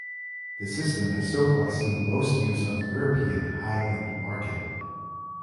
The system has so far seen most use on the European high end market.